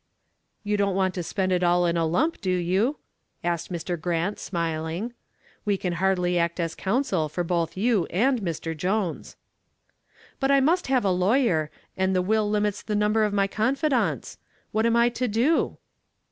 "You don't want to spend it all in a lump, do you?" asked Mr. Grant, smiling. "We can hardly act as counsel for both you and Mr. Jones." "But I must have a lawyer, and the will limits the number of my confidants. What am I to do?"